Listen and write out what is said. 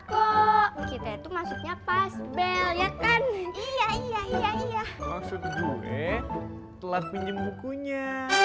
kok kita itu maksudnya pasbel ya kan iya iya iya iya maksud gue telah pinjem bukunya